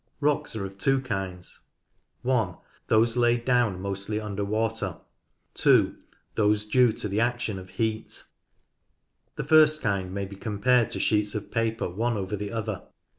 Rocks are of two kinds, (i) those laid down mostly under water, (2) those due to the action of heat. The first kind may be compared to sheets of paper one over the other.